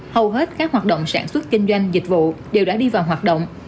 hầu hết các hoạt động sản xuất kinh doanh dịch vụ đều đã đi vào hoạt động